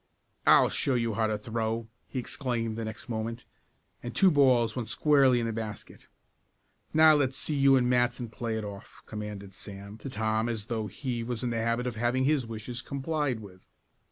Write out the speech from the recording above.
"I'll show you how to throw!" he exclaimed the next moment, and two balls went squarely in the basket. "Now, let's see you and Matson play it off," commanded Sam to Tom as though he was in the habit of having his wishes complied with.